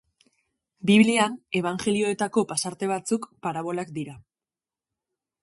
Biblian Ebanjelioetako pasarte batzuk parabolak dira.